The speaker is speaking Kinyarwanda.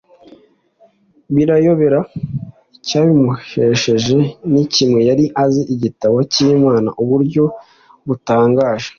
Birabayobera Icyabimuhesheje ni kimwe: yari azi igitabo cy’Imana uburyo butangaje